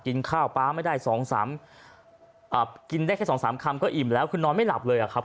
กินได้แค่๒๓คำก็อิ่มแล้วคือนอนไม่หลับเลยครับ